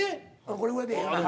これぐらいでええやん。